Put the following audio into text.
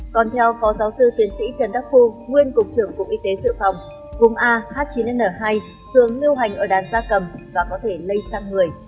còn theo phó giáo sư tiến sĩ trần đắc phu nguyên cục trưởng cục y tế sự phòng vùng a h chín n hai thường lưu hành ở đàn da cầm và có thể lây sang người